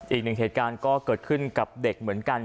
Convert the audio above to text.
อีกหนึ่งเหตุการณ์ก็เกิดขึ้นกับเด็กเหมือนกัน